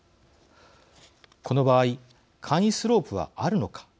この場合簡易スロープはあるのか。